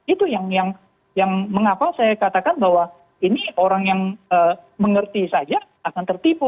itu yang mengapa saya katakan bahwa ini orang yang mengerti saja akan tertipu